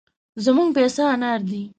زموږ پيسه انار دي.